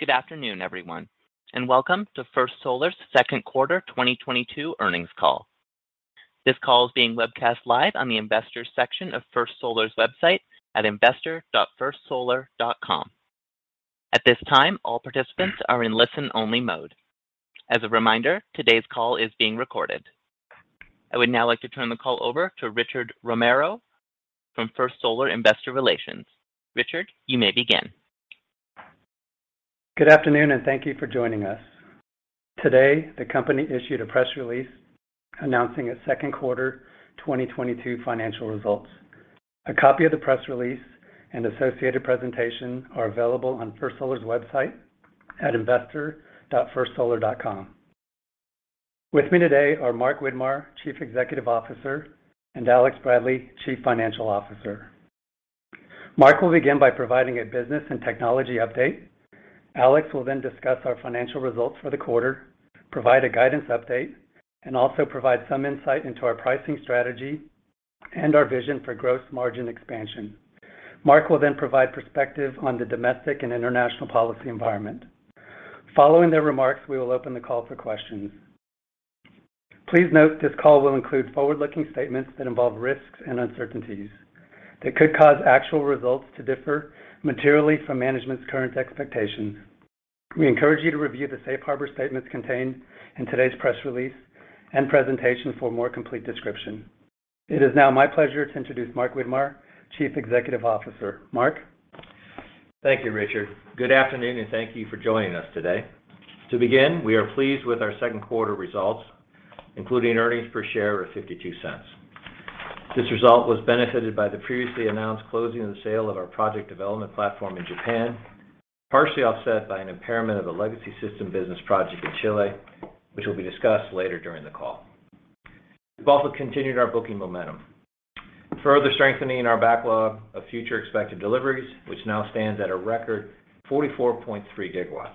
Good afternoon, everyone, and welcome to First Solar's second quarter 2022 earnings call. This call is being webcast live on the investors section of First Solar's website at investor.firstsolar.com. At this time, all participants are in listen-only mode. As a reminder, today's call is being recorded. I would now like to turn the call over to Richard Romero from First Solar Investor Relations. Richard, you may begin. Good afternoon, and thank you for joining us. Today, the company issued a press release announcing its second quarter 2022 financial results. A copy of the press release and associated presentation are available on First Solar's website at investor.firstsolar.com. With me today are Mark Widmar, Chief Executive Officer, and Alex Bradley, Chief Financial Officer. Mark will begin by providing a business and technology update. Alex will then discuss our financial results for the quarter, provide a guidance update, and also provide some insight into our pricing strategy and our vision for gross margin expansion. Mark will then provide perspective on the domestic and international policy environment. Following their remarks, we will open the call for questions. Please note this call will include forward-looking statements that involve risks and uncertainties that could cause actual results to differ materially from management's current expectations. We encourage you to review the safe harbor statements contained in today's press release and presentation for a more complete description. It is now my pleasure to introduce Mark Widmar, Chief Executive Officer. Mark? Thank you, Richard. Good afternoon, and thank you for joining us today. To begin, we are pleased with our second quarter results, including earnings per share of $0.52. This result was benefited by the previously announced closing of the sale of our project development platform in Japan, partially offset by an impairment of a legacy system business project in Chile, which will be discussed later during the call. We've also continued our booking momentum, further strengthening our backlog of future expected deliveries, which now stands at a record 44.3 GW.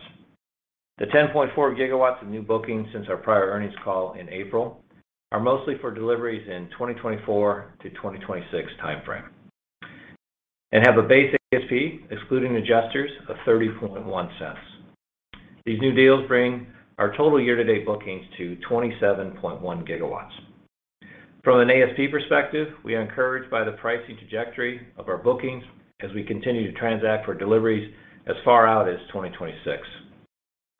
The 10.4 GW of new bookings since our prior earnings call in April are mostly for deliveries in 2024-2026 timeframe and have a base ASP, excluding adjusters, of $0.301. These new deals bring our total year-to-date bookings to 27.1 GW. From an ASP perspective, we are encouraged by the pricing trajectory of our bookings as we continue to transact for deliveries as far out as 2026.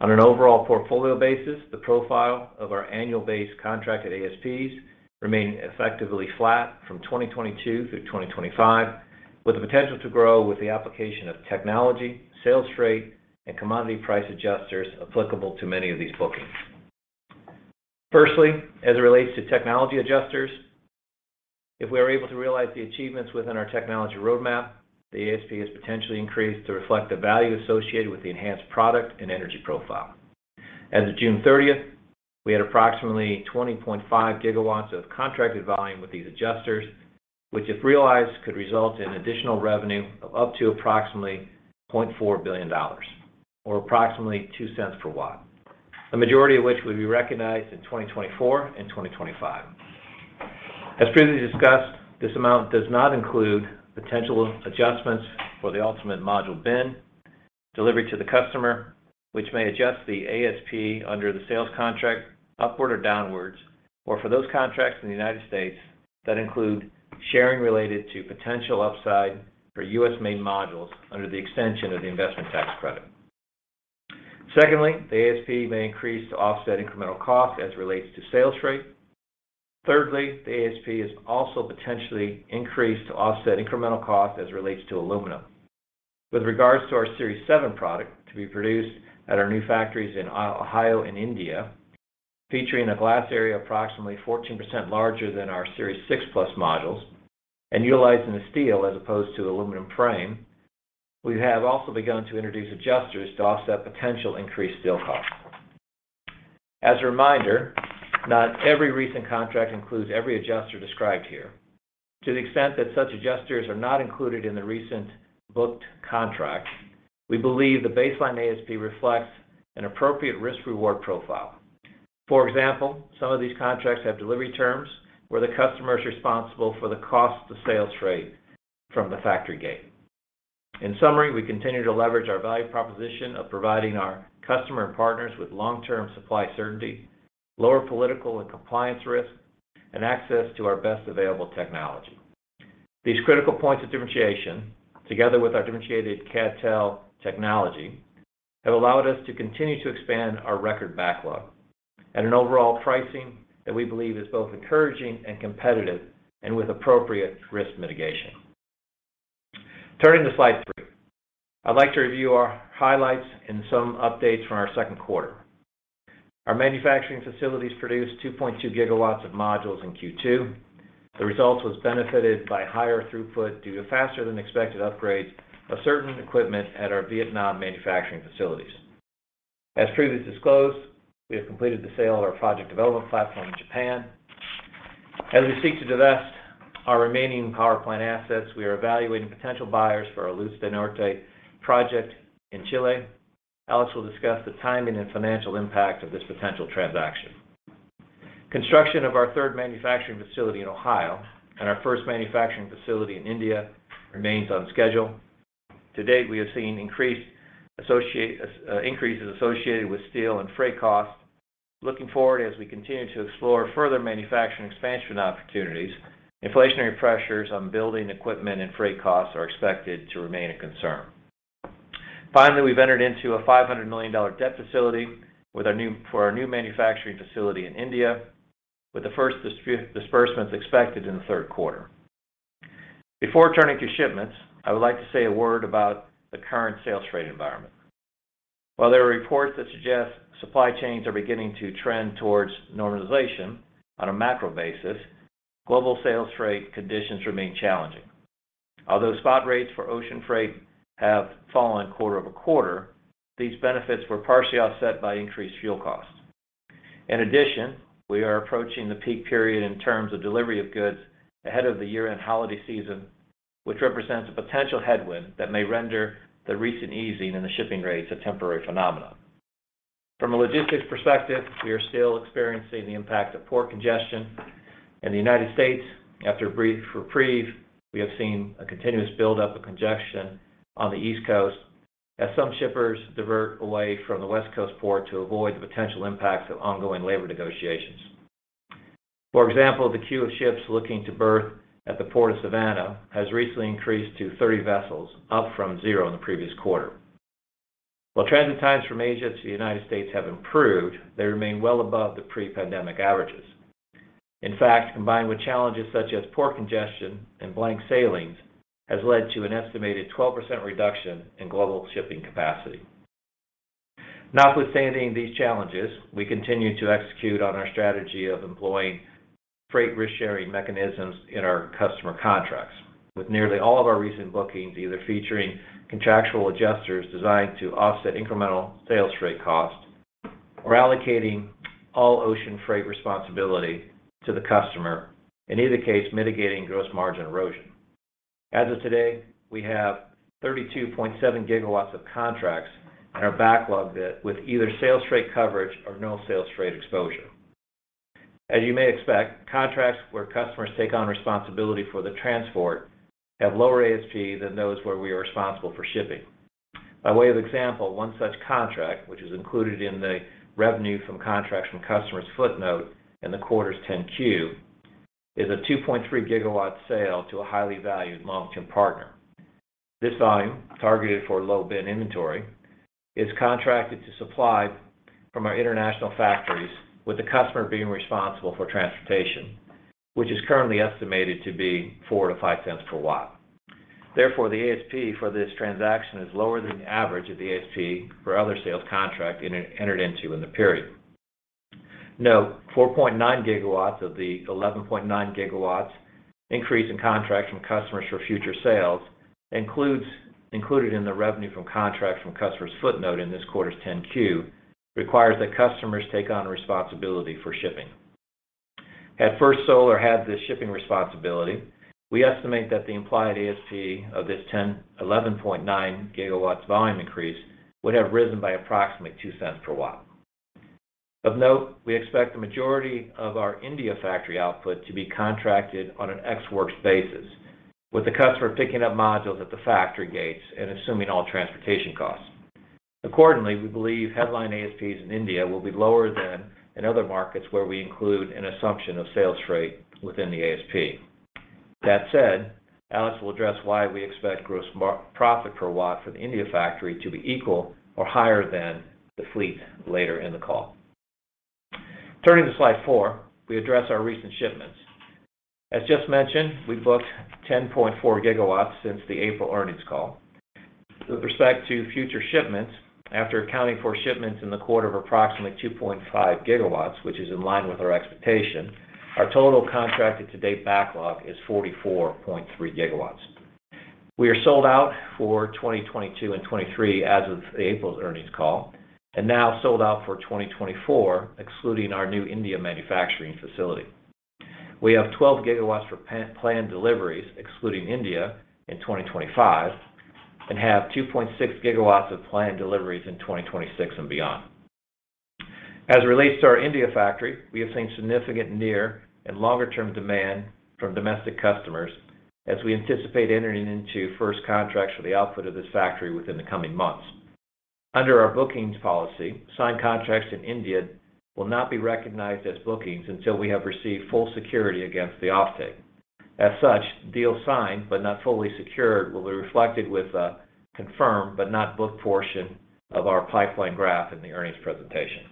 On an overall portfolio basis, the profile of our annual base contracted ASPs remain effectively flat from 2022 through 2025, with the potential to grow with the application of technology, sales freight, and commodity price adjusters applicable to many of these bookings. Firstly, as it relates to technology adjusters, if we are able to realize the achievements within our technology roadmap, the ASP is potentially increased to reflect the value associated with the enhanced product and energy profile. As of June 30th, we had approximately 20.5 GW of contracted volume with these adjusters, which if realized could result in additional revenue of up to approximately $0.4 billion or approximately $0.02 per watt. The majority of which will be recognized in 2024 and 2025. As previously discussed, this amount does not include potential adjustments for the ultimate module bin delivered to the customer, which may adjust the ASP under the sales contract upward or downward, or for those contracts in the United States that include sharing related to potential upside for U.S.-made modules under the extension of the investment tax credit. Secondly, the ASP may increase to offset incremental cost as it relates to sales freight. Thirdly, the ASP is also potentially increased to offset incremental cost as it relates to aluminum. With regards to our Series 7 product to be produced at our new factories in Ohio and India, featuring a glass area approximately 14% larger than our Series 6 Plus modules and utilizing a steel as opposed to aluminum frame, we have also begun to introduce adjusters to offset potential increased steel costs. As a reminder, not every recent contract includes every adjuster described here. To the extent that such adjusters are not included in the recently booked contract, we believe the baseline ASP reflects an appropriate risk-reward profile. For example, some of these contracts have delivery terms where the customer is responsible for the cost of freight from the factory gate. In summary, we continue to leverage our value proposition of providing our customer and partners with long-term supply certainty, lower political and compliance risk, and access to our best available technology. These critical points of differentiation, together with our differentiated CdTe technology, have allowed us to continue to expand our record backlog at an overall pricing that we believe is both encouraging and competitive and with appropriate risk mitigation. Turning to slide three. I'd like to review our highlights and some updates from our second quarter. Our manufacturing facilities produced 2.2 GW of modules in Q2. The result was benefited by higher throughput due to faster than expected upgrades of certain equipment at our Vietnam manufacturing facilities. As previously disclosed, we have completed the sale of our project development platform in Japan. As we seek to divest our remaining power plant assets, we are evaluating potential buyers for our Luz del Norte project in Chile. Alex will discuss the timing and financial impact of this potential transaction. Construction of our third manufacturing facility in Ohio and our first manufacturing facility in India remains on schedule. To date, we have seen increases associated with steel and freight costs. Looking forward, as we continue to explore further manufacturing expansion opportunities, inflationary pressures on building equipment and freight costs are expected to remain a concern. Finally, we've entered into a $500 million debt facility for our new manufacturing facility in India, with the first disbursement expected in the third quarter. Before turning to shipments, I would like to say a word about the current sales freight environment. While there are reports that suggest supply chains are beginning to trend towards normalization on a macro basis, global sales freight conditions remain challenging. Although spot rates for ocean freight have fallen quarter-over-quarter, these benefits were partially offset by increased fuel costs. In addition, we are approaching the peak period in terms of delivery of goods ahead of the year-end holiday season, which represents a potential headwind that may render the recent easing in the shipping rates a temporary phenomenon. From a logistics perspective, we are still experiencing the impact of port congestion. In the United States, after a brief reprieve, we have seen a continuous buildup of congestion on the East Coast as some shippers divert away from the West Coast port to avoid the potential impacts of ongoing labor negotiations. For example, the queue of ships looking to berth at the Port of Savannah has recently increased to 30 vessels, up from zero in the previous quarter. While transit times from Asia to the United States have improved, they remain well above the pre-pandemic averages. In fact, combined with challenges such as port congestion and blank sailings has led to an estimated 12% reduction in global shipping capacity. Notwithstanding these challenges, we continue to execute on our strategy of employing freight risk-sharing mechanisms in our customer contracts, with nearly all of our recent bookings either featuring contractual adjusters designed to offset incremental freight rate costs or allocating all ocean freight responsibility to the customer, in either case, mitigating gross margin erosion. As of today, we have 32.7 GW of contracts in our backlog with either freight rate coverage or no freight rate exposure. As you may expect, contracts where customers take on responsibility for the transport have lower ASPs than those where we are responsible for shipping. By way of example, one such contract, which is included in the revenue from contracts from customers footnote in the quarter's 10-Q, is a 2.3 GW sale to a highly valued long-term partner. This volume, targeted for low-bid inventory, is contracted to supply from our international factories, with the customer being responsible for transportation, which is currently estimated to be $0.04-$0.05 per watt. Therefore, the ASP for this transaction is lower than the average of the ASP for other sales contract entered into in the period. Note, 4.9 GW of the 11.9 GW increase in contracts from customers for future sales included in the revenue from contracts from customers footnote in this quarter's 10-Q requires that customers take on responsibility for shipping. Had First Solar had this shipping responsibility, we estimate that the implied ASP of this 11.9 GW volume increase would have risen by approximately $0.02 per watt. Of note, we expect the majority of our India factory output to be contracted on an ex-works basis, with the customer picking up modules at the factory gates and assuming all transportation costs. Accordingly, we believe headline ASPs in India will be lower than in other markets where we include an assumption of sales freight within the ASP. That said, Alex will address why we expect gross profit per watt for the India factory to be equal or higher than the fleet later in the call. Turning to slide four, we address our recent shipments. As just mentioned, we've booked 10.4 GW since the April earnings call. With respect to future shipments, after accounting for shipments in the quarter of approximately 2.5 GW, which is in line with our expectation, our total contracted to-date backlog is 44.3 GW. We are sold out for 2022 and 2023 as of April's earnings call, and now sold out for 2024, excluding our new India manufacturing facility. We have 12 GW for planned deliveries, excluding India, in 2025 and have 2.6 GW of planned deliveries in 2026 and beyond. As it relates to our India factory, we have seen significant near and longer-term demand from domestic customers as we anticipate entering into first contracts for the output of this factory within the coming months. Under our bookings policy, signed contracts in India will not be recognized as bookings until we have received full security against the offtake. As such, deals signed but not fully secured will be reflected with a confirmed but not booked portion of our pipeline graph in the earnings presentation.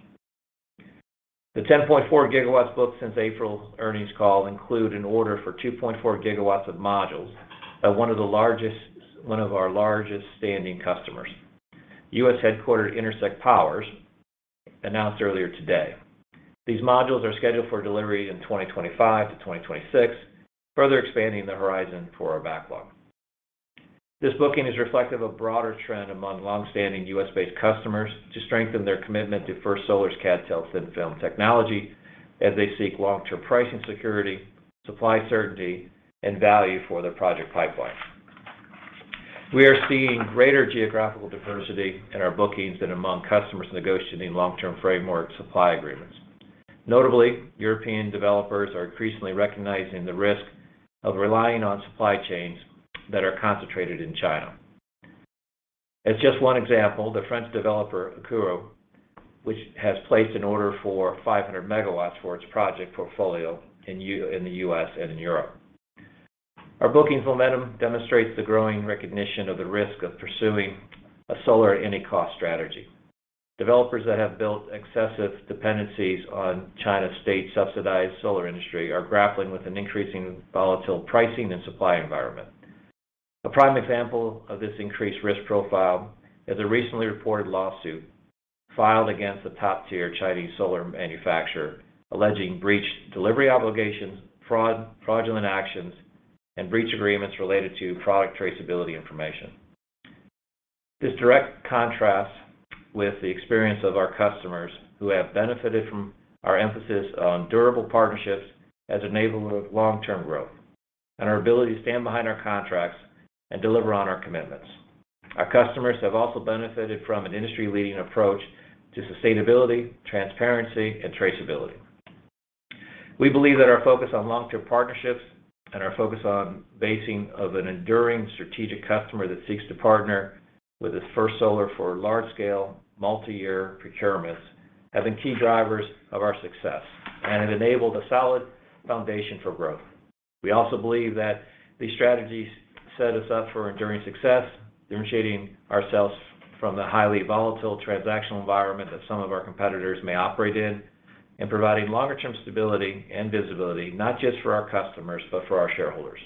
The 10.4 GW booked since April's earnings call include an order for 2.4 GW of modules at one of our largest standing customers, U.S.-headquartered Intersect Power, announced earlier today. These modules are scheduled for delivery in 2025 to 2026, further expanding the horizon for our backlog. This booking is reflective of a broader trend among long-standing U.S.-based customers to strengthen their commitment to First Solar's CdTe thin-film technology as they seek long-term pricing security, supply certainty, and value for their project pipelines. We are seeing greater geographical diversity in our bookings than among customers negotiating long-term framework supply agreements. Notably, European developers are increasingly recognizing the risk of relying on supply chains that are concentrated in China. As just one example, the French developer Akuo, which has placed an order for 500 MW for its project portfolio in the U.S. and in Europe. Our bookings momentum demonstrates the growing recognition of the risk of pursuing a solar at-any-cost strategy. Developers that have built excessive dependencies on China's state-subsidized solar industry are grappling with an increasingly volatile pricing and supply environment. A prime example of this increased risk profile is a recently reported lawsuit filed against a top-tier Chinese solar manufacturer alleging breached delivery obligations, fraud, fraudulent actions, and breached agreements related to product traceability information. This directly contrasts with the experience of our customers who have benefited from our emphasis on durable partnerships as an enabler of long-term growth, and our ability to stand behind our contracts and deliver on our commitments. Our customers have also benefited from an industry-leading approach to sustainability, transparency, and traceability. We believe that our focus on long-term partnerships and our focus on basing of an enduring strategic customer that seeks to partner with its First Solar for large scale, multi-year procurements have been key drivers of our success and have enabled a solid foundation for growth. We also believe that these strategies set us up for enduring success, differentiating ourselves from the highly volatile transactional environment that some of our competitors may operate in, and providing longer term stability and visibility, not just for our customers, but for our shareholders.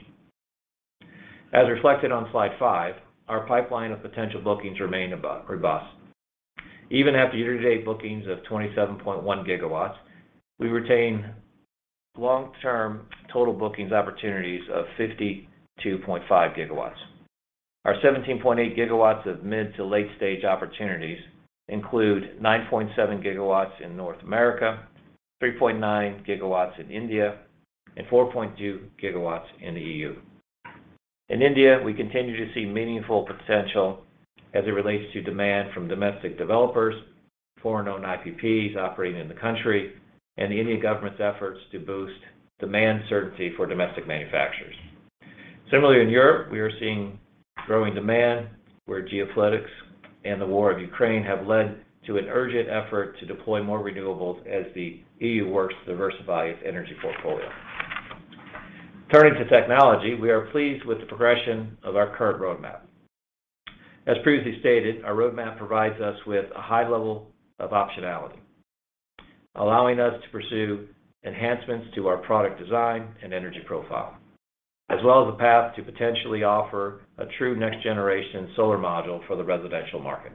As reflected on slide five, our pipeline of potential bookings remain robust. Even after year-to-date bookings of 27.1 GW, we retain long-term total bookings opportunities of 52.5 GW. Our 17.8 GW of mid to late-stage opportunities include 9.7 GW in North America, 3.9 GW in India, and 4.2 GW in the EU. In India, we continue to see meaningful potential as it relates to demand from domestic developers, foreign-owned IPPs operating in the country, and the Indian government's efforts to boost demand certainty for domestic manufacturers. Similarly, in Europe, we are seeing growing demand where geopolitics and the war in Ukraine have led to an urgent effort to deploy more renewables as the EU works to diversify its energy portfolio. Turning to technology, we are pleased with the progression of our current roadmap. As previously stated, our roadmap provides us with a high level of optionality, allowing us to pursue enhancements to our product design and energy profile, as well as a path to potentially offer a true next-generation solar module for the residential market.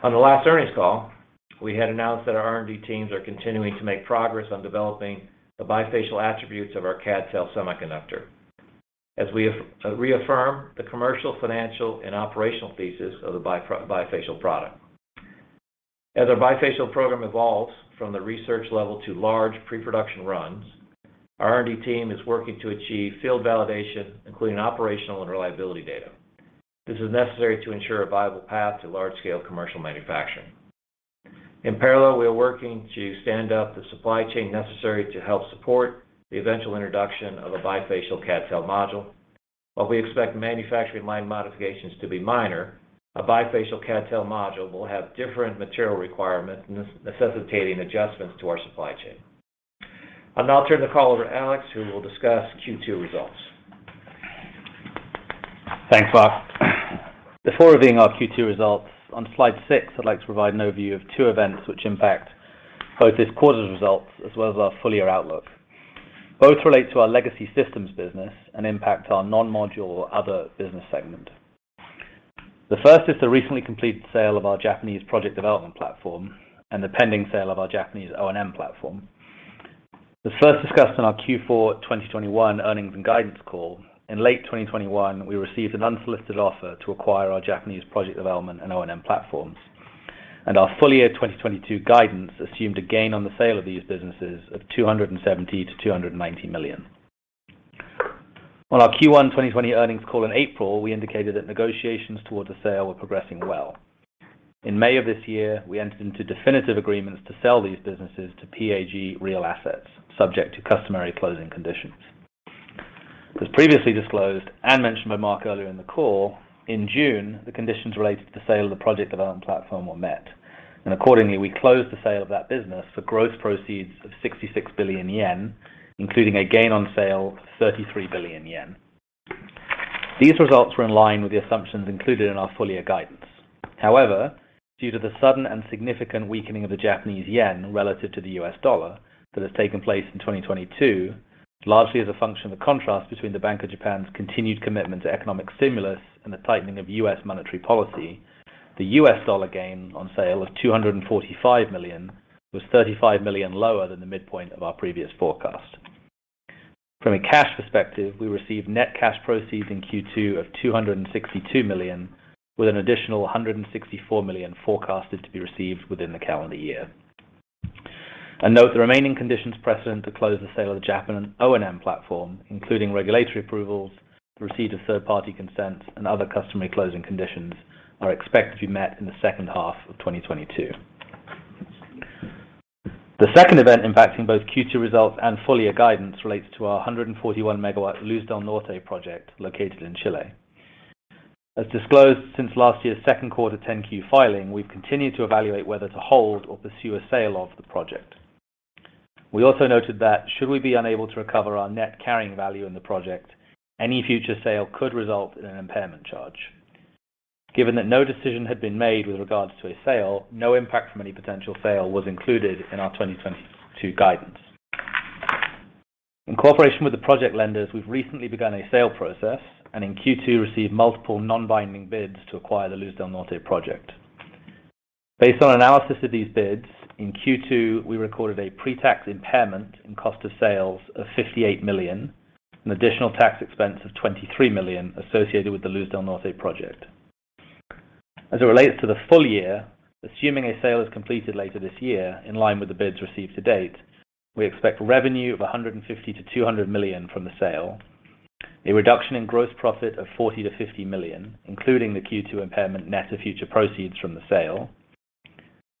On the last earnings call, we had announced that our R&D teams are continuing to make progress on developing the bifacial attributes of our CdTe semiconductor, as we have reaffirm the commercial, financial, and operational thesis of the bifacial product. As our bifacial program evolves from the research level to large pre-production runs, our R&D team is working to achieve field validation, including operational and reliability data. This is necessary to ensure a viable path to large-scale commercial manufacturing. In parallel, we are working to stand up the supply chain necessary to help support the eventual introduction of a bifacial CdTe module. While we expect manufacturing line modifications to be minor, a bifacial CdTe module will have different material requirements, necessitating adjustments to our supply chain. I'll now turn the call over to Alex, who will discuss Q2 results. Thanks, Mark. Before reviewing our Q2 results, on slide six, I'd like to provide an overview of two events which impact both this quarter's results as well as our full year outlook. Both relate to our legacy systems business and impact our non-module or other business segment. The first is the recently completed sale of our Japanese project development platform and the pending sale of our Japanese O&M platform. As first discussed on our Q4 2021 earnings and guidance call, in late 2021, we received an unsolicited offer to acquire our Japanese project development and O&M platforms, and our full year 2022 guidance assumed a gain on the sale of these businesses of $270 million-$290 million. On our Q1 2022 earnings call in April, we indicated that negotiations towards the sale were progressing well. In May of this year, we entered into definitive agreements to sell these businesses to PAG Real Assets, subject to customary closing conditions. As previously disclosed and mentioned by Mark earlier in the call, in June, the conditions related to the sale of the project development platform were met, and accordingly, we closed the sale of that business for gross proceeds of 66 billion yen, including a gain on sale of 33 billion yen. These results were in line with the assumptions included in our full year guidance. However, due to the sudden and significant weakening of the Japanese yen relative to the U.S. dollar that has taken place in 2022, largely as a function of the contrast between the Bank of Japan's continued commitment to economic stimulus and the tightening of U.S. monetary policy, the U.S. dollar gain on sale of $245 million was $35 million lower than the midpoint of our previous forecast. From a cash perspective, we received net cash proceeds in Q2 of $262 million, with an additional $164 million forecasted to be received within the calendar year. Note the remaining conditions precedent to close the sale of the Japan O&M platform, including regulatory approvals, receipt of third-party consents, and other customary closing conditions, are expected to be met in the second half of 2022. The second event impacting both Q2 results and full-year guidance relates to our 141 MW Luz del Norte project located in Chile. As disclosed since last year's second quarter 10-Q filing, we've continued to evaluate whether to hold or pursue a sale of the project. We also noted that should we be unable to recover our net carrying value in the project, any future sale could result in an impairment charge. Given that no decision had been made with regards to a sale, no impact from any potential sale was included in our 2022 guidance. In cooperation with the project lenders, we've recently begun a sale process and in Q2 received multiple non-binding bids to acquire the Luz del Norte project. Based on analysis of these bids, in Q2, we recorded a pre-tax impairment in cost of sales of $58 million, an additional tax expense of $23 million associated with the Luz del Norte project. As it relates to the full year, assuming a sale is completed later this year, in line with the bids received to date, we expect revenue of $150-$200 million from the sale, a reduction in gross profit of $40-$50 million, including the Q2 impairment net of future proceeds from the sale,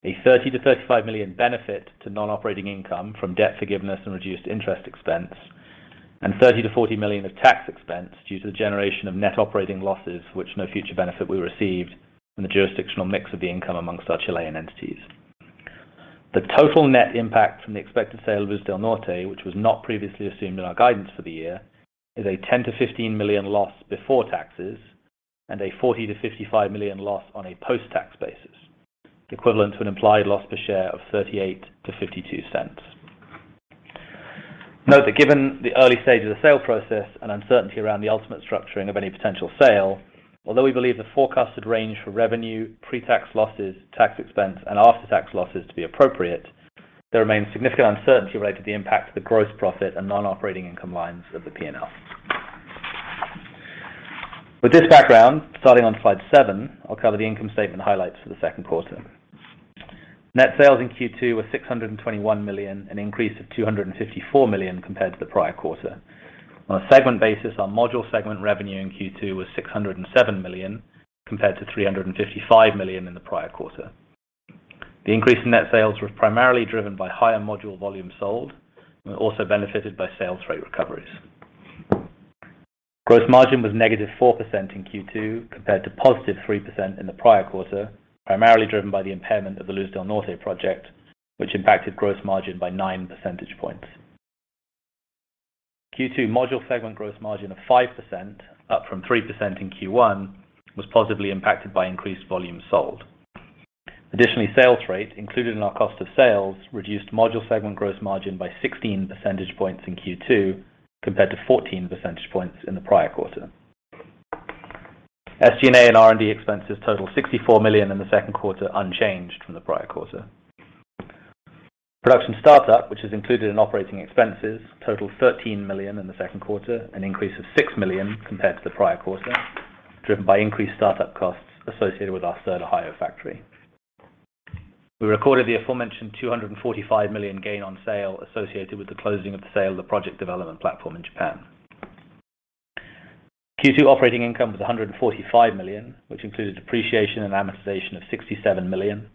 a $30-$35 million benefit to non-operating income from debt forgiveness and reduced interest expense, and $30-$40 million of tax expense due to the generation of net operating losses, for which no future benefit is expected in the jurisdictional mix of the income among our Chilean entities. The total net impact from the expected sale of Luz del Norte, which was not previously assumed in our guidance for the year, is a $10-$15 million loss before taxes and a $40-$55 million loss on a post-tax basis, equivalent to an implied loss per share of $0.38-$0.52. Note that given the early stage of the sale process and uncertainty around the ultimate structuring of any potential sale, although we believe the forecasted range for revenue, pre-tax losses, tax expense, and after-tax losses to be appropriate, there remains significant uncertainty related to the impact of the gross profit and non-operating income lines of the P&L. With this background, starting on slide seven, I'll cover the income statement highlights for the second quarter. Net sales in Q2 were $621 million, an increase of $254 million compared to the prior quarter. On a segment basis, our module segment revenue in Q2 was $607 million, compared to $355 million in the prior quarter. The increase in net sales was primarily driven by higher module volume sold and was also benefited by sales freight recoveries. Gross margin was negative 4% in Q2 compared to positive 3% in the prior quarter, primarily driven by the impairment of the Luz del Norte project, which impacted gross margin by nine percentage points. Q2 module segment gross margin of 5%, up from 3% in Q1, was positively impacted by increased volume sold. Additionally, sales freight included in our cost of sales reduced module segment gross margin by 16 percentage points in Q2 compared to 14 percentage points in the prior quarter. SG&A and R&D expenses totaled $64 million in the second quarter, unchanged from the prior quarter. Production startup, which is included in operating expenses, totaled $13 million in the second quarter, an increase of $6 million compared to the prior quarter, driven by increased startup costs associated with our third Ohio factory. We recorded the aforementioned $245 million gain on sale associated with the closing of the sale of the project development platform in Japan. Q2 operating income was $145 million, which included depreciation and amortization of $67 million,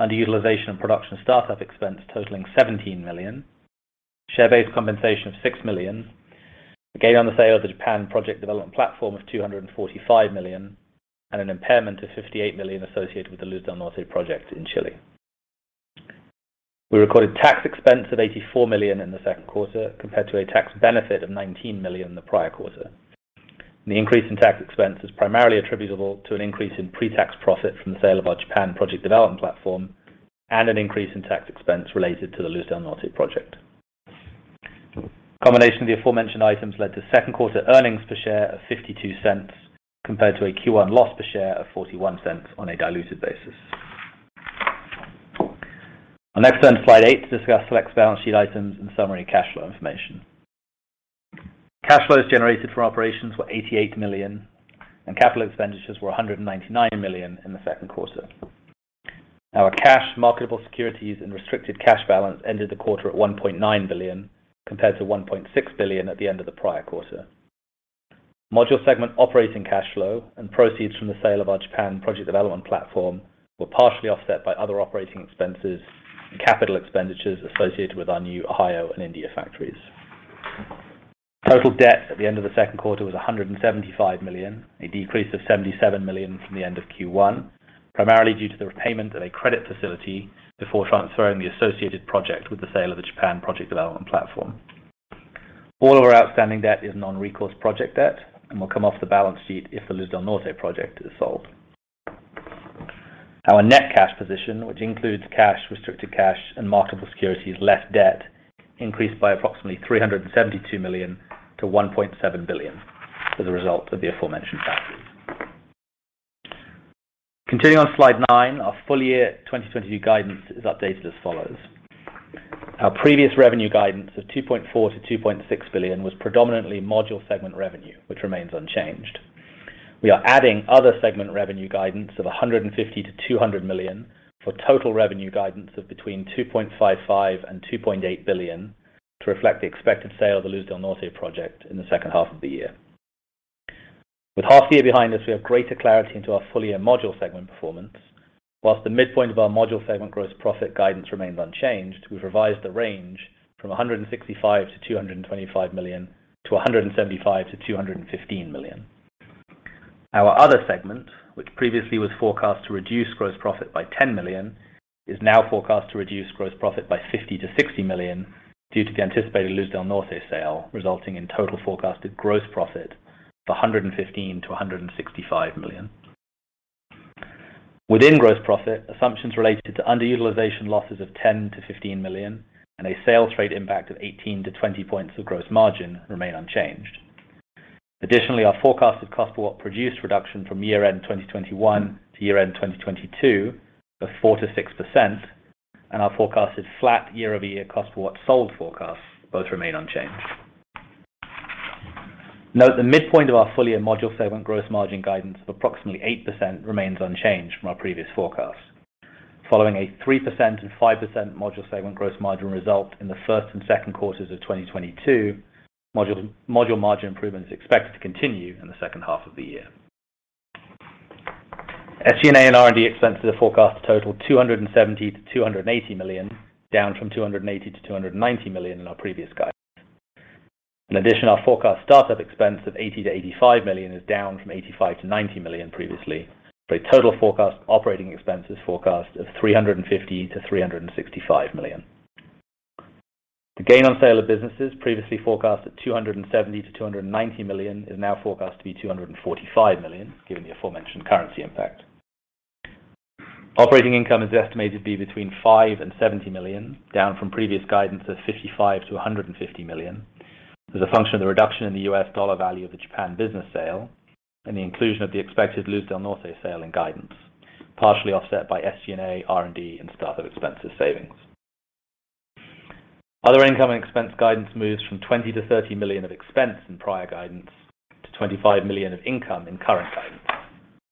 underutilization and production startup expense totaling $17 million, share-based compensation of $6 million, a gain on the sale of the Japan project development platform of $245 million, and an impairment of $58 million associated with the Luz del Norte project in Chile. We recorded tax expense of $84 million in the second quarter compared to a tax benefit of $19 million the prior quarter. The increase in tax expense is primarily attributable to an increase in pre-tax profit from the sale of our Japan project development platform and an increase in tax expense related to the Luz del Norte project. A combination of the aforementioned items led to second quarter earnings per share of $0.52 compared to a Q1 loss per share of $0.41 on a diluted basis. I'll next turn to slide eight to discuss select balance sheet items and summary cash flow information. Cash flows generated from operations were $88 million, and capital expenditures were $199 million in the second quarter. Our cash, marketable securities, and restricted cash balance ended the quarter at $1.9 billion, compared to $1.6 billion at the end of the prior quarter. Module segment operating cash flow and proceeds from the sale of our Japan project development platform were partially offset by other operating expenses and capital expenditures associated with our new Ohio and India factories. Total debt at the end of the second quarter was $175 million, a decrease of $77 million from the end of Q1, primarily due to the repayment of a credit facility before transferring the associated project with the sale of the Japan project development platform. All of our outstanding debt is non-recourse project debt and will come off the balance sheet if the Luz del Norte project is sold. Our net cash position, which includes cash, restricted cash, and marketable securities, less debt, increased by approximately $372 million to $1.7 billion as a result of the aforementioned factors. Continuing on slide nine, our full-year 2022 guidance is updated as follows. Our previous revenue guidance of $2.4 billion-$2.6 billion was predominantly module segment revenue, which remains unchanged. We are adding other segment revenue guidance of $150 million-$200 million for total revenue guidance of between $2.55 billion and $2.8 billion to reflect the expected sale of the Luz del Norte project in the second half of the year. With half the year behind us, we have greater clarity into our full-year module segment performance. While the midpoint of our module segment gross profit guidance remains unchanged, we've revised the range from $165 million-$225 million to $175 million-$215 million. Our other segment, which previously was forecast to reduce gross profit by $10 million, is now forecast to reduce gross profit by $50 million-$60 million due to the anticipated Luz del Norte sale, resulting in total forecasted gross profit of $115 million-$165 million. Within gross profit, assumptions related to underutilization losses of $10 million-$15 million and a sales freight impact of 18-20 points of gross margin remain unchanged. Our forecasted cost per watt produced reduction from year-end 2021 to year-end 2022 of 4%-6% and our forecasted flat year-over-year cost per watt sold forecast both remain unchanged. Note the midpoint of our full-year module segment gross margin guidance of approximately 8% remains unchanged from our previous forecast. Following a 3% and 5% module segment gross margin result in the first and second quarters of 2022, module margin improvement is expected to continue in the second half of the year. SG&A and R&D expenses are forecast to total $270 million-$280 million, down from $280 million-$290 million in our previous guidance. In addition, our forecast startup expense of $80-$85 million is down from $85-$90 million previously, for a total forecast operating expenses forecast of $350-$365 million. The gain on sale of businesses previously forecast at $270-$290 million is now forecast to be $245 million, given the aforementioned currency impact. Operating income is estimated to be between $5-$70 million, down from previous guidance of $55-$150 million, as a function of the reduction in the U.S. dollar value of the Japan business sale and the inclusion of the expected Luz del Norte sale in guidance, partially offset by SG&A, R&D, and startup expenses savings. Other income and expense guidance moves from $20-$30 million of expense in prior guidance to $25 million of income in current guidance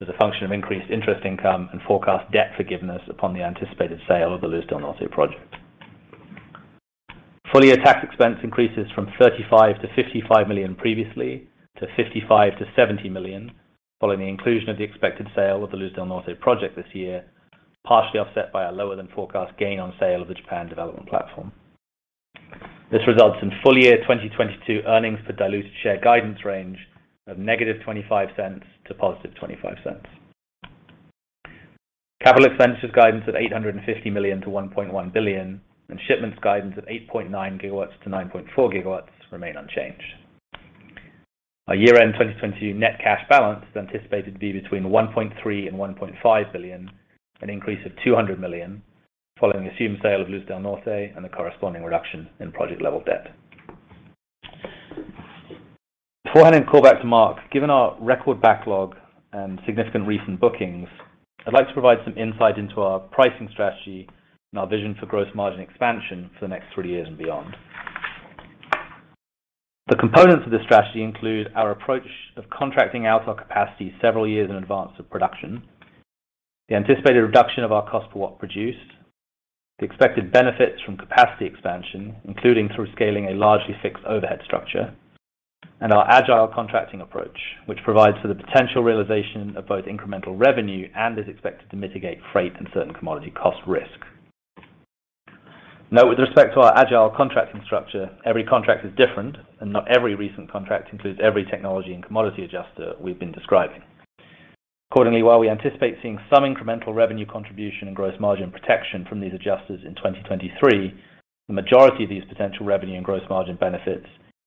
as a function of increased interest income and forecast debt forgiveness upon the anticipated sale of the Luz del Norte project. Full-year tax expense increases from $35-$55 million previously to $55-$70 million following the inclusion of the expected sale of the Luz del Norte project this year, partially offset by our lower than forecast gain on sale of the Japan development platform. This results in full-year 2022 earnings per diluted share guidance range of -$0.25 to +$0.25. Capital expenditures guidance at $850 million-$1.1 billion and shipments guidance at 8.9 GW-9.4 GW remain unchanged. Our year-end 2022 net cash balance is anticipated to be between $1.3 billion-$1.5 billion, an increase of $200 million following the assumed sale of Luz del Norte and the corresponding reduction in project level debt. Before handing the call back to Mark, given our record backlog and significant recent bookings, I'd like to provide some insight into our pricing strategy and our vision for gross margin expansion for the next three years and beyond. The components of this strategy include our approach of contracting out our capacity several years in advance of production, the anticipated reduction of our cost per watt produced, the expected benefits from capacity expansion, including through scaling a largely fixed overhead structure, and our agile contracting approach, which provides for the potential realization of both incremental revenue and is expected to mitigate freight and certain commodity cost risk. Now with respect to our agile contracting structure, every contract is different, and not every recent contract includes every technology and commodity adjuster we've been describing. Accordingly, while we anticipate seeing some incremental revenue contribution and gross margin protection from these adjusters in 2023, the majority of these potential revenue and gross margin benefits,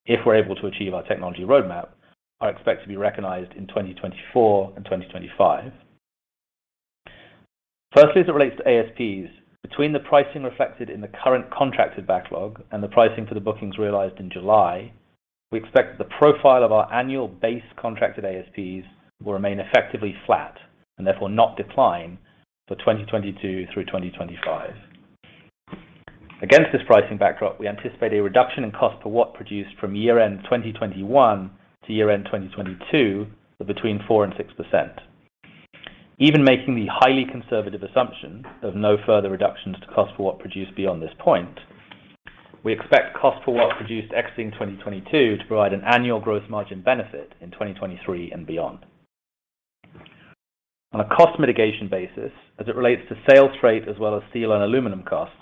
if we're able to achieve our technology roadmap, are expected to be recognized in 2024 and 2025. Firstly, as it relates to ASPs, between the pricing reflected in the current contracted backlog and the pricing for the bookings realized in July, we expect the profile of our annual base contracted ASPs will remain effectively flat and therefore not decline for 2022 through 2025. Against this pricing backdrop, we anticipate a reduction in cost per watt produced from year-end 2021 to year-end 2022 of between 4% and 6%. Even making the highly conservative assumption of no further reductions to cost per watt produced beyond this point, we expect cost per watt produced exiting 2022 to provide an annual gross margin benefit in 2023 and beyond. On a cost mitigation basis, as it relates to sales rate as well as steel and aluminum costs,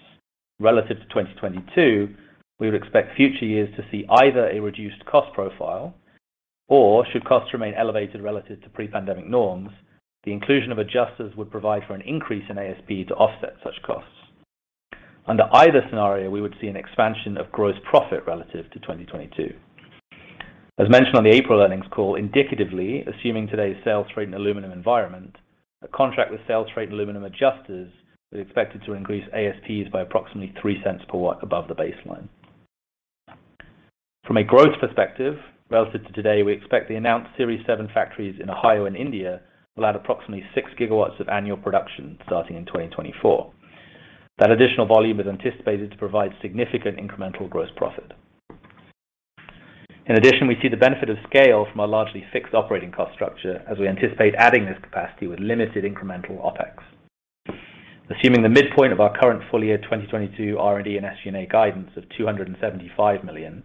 relative to 2022, we would expect future years to see either a reduced cost profile or should costs remain elevated relative to pre-pandemic norms, the inclusion of adjusters would provide for an increase in ASP to offset such costs. Under either scenario, we would see an expansion of gross profit relative to 2022. As mentioned on the April earnings call, indicatively, assuming today's sales rate and aluminum environment, a contract with sales rate and aluminum adjusters is expected to increase ASPs by approximately $0.03 per watt above the baseline. From a growth perspective, relative to today, we expect the announced Series 7 factories in Ohio and India will add approximately 6 GW of annual production starting in 2024. That additional volume is anticipated to provide significant incremental gross profit. In addition, we see the benefit of scale from our largely fixed operating cost structure as we anticipate adding this capacity with limited incremental OpEx. Assuming the midpoint of our current full year 2022 R&D and SG&A guidance of $275 million,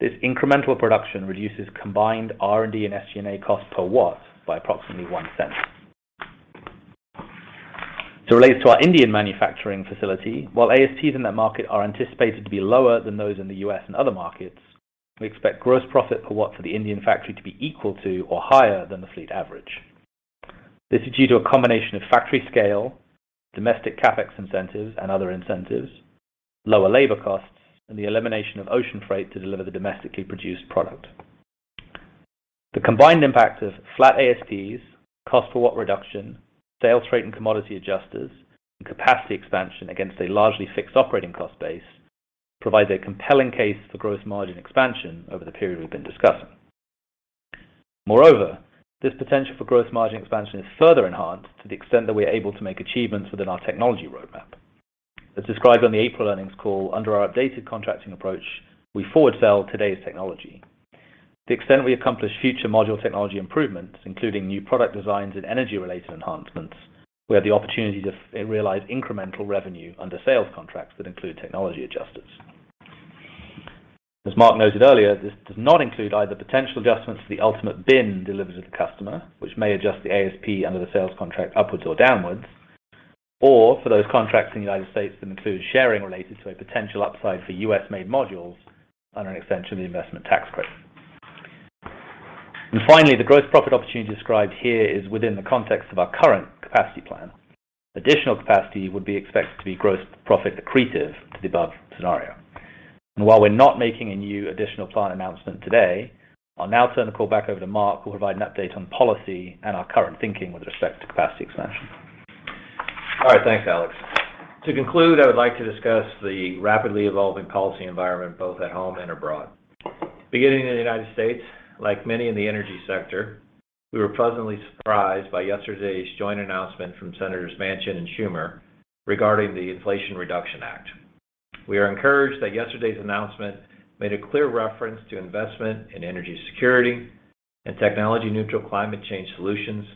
this incremental production reduces combined R&D and SG&A cost per watt by approximately $0.01. To relate to our Indian manufacturing facility, while ASPs in that market are anticipated to be lower than those in the U.S. and other markets, we expect gross profit for watts of the Indian factory to be equal to or higher than the fleet average. This is due to a combination of factory scale, domestic CapEx incentives and other incentives, lower labor costs, and the elimination of ocean freight to deliver the domestically produced product. The combined impact of flat ASPs, cost per watt reduction, sales freight and commodity adjusters, and capacity expansion against a largely fixed operating cost base provides a compelling case for gross margin expansion over the period we've been discussing. Moreover, this potential for gross margin expansion is further enhanced to the extent that we are able to make achievements within our technology roadmap. As described on the April earnings call, under our updated contracting approach, we forward sell today's technology. To the extent we accomplish future module technology improvements, including new product designs and energy-related enhancements, we have the opportunity to realize incremental revenue under sales contracts that include technology adjusters. As Mark noted earlier, this does not include either potential adjustments to the ultimate bin delivered to the customer, which may adjust the ASP under the sales contract upwards or downwards, or for those contracts in the United States that include sharing related to a potential upside for U.S.-made modules on an extension of the investment tax credit. Finally, the gross profit opportunity described here is within the context of our current capacity plan. Additional capacity would be expected to be gross profit accretive to the above scenario. While we're not making a new additional plan announcement today, I'll now turn the call back over to Mark, who will provide an update on policy and our current thinking with respect to capacity expansion. All right. Thanks, Alex. To conclude, I would like to discuss the rapidly evolving policy environment, both at home and abroad. Beginning in the United States, like many in the energy sector, we were pleasantly surprised by yesterday's joint announcement from Senators Manchin and Schumer regarding the Inflation Reduction Act. We are encouraged that yesterday's announcement made a clear reference to investment in energy security and technology neutral climate change solutions,